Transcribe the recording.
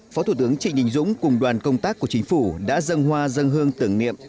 phó thủ tướng trịnh đình dũng cùng đoàn công tác của chính phủ đã dân hoa dân hương tưởng niệm